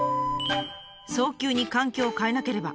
「早急に環境を変えなければ」。